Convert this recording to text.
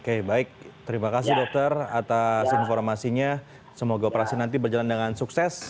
oke baik terima kasih dokter atas informasinya semoga operasi nanti berjalan dengan sukses